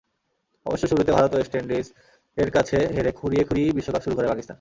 অবশ্য শুরুতে ভারত-ওয়েস্ট ইন্ডিজের কাছে হেরে খুঁড়িয়ে খুঁড়িয়েই বিশ্বকাপ শুরু করে পাকিস্তান।